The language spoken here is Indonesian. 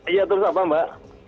iya terus apa mbak